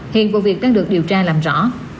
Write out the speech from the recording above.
hiện vụ việc đang được điều tra làm rõ